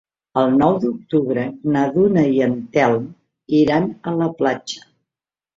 El nou d'octubre na Duna i en Telm iran a la platja.